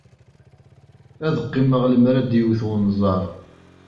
Ad qqimeɣ lemmer ad d-iwet wenẓar.